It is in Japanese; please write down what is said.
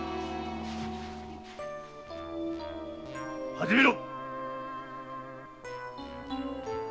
始めろ！